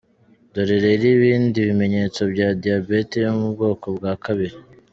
Dore rero ibindi bimenyetso bya diabete yo mu bwoko bwa kabiri:.